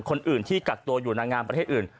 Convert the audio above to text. คนอื่นที่กักตัวอยู่นางงามประเทศอื่น